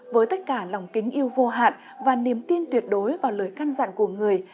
với tất cả lòng kính yêu vô hạn và niềm tin tuyệt đối vào lời căn dặn của người